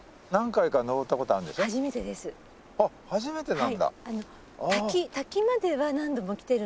あっ初めてなんだ。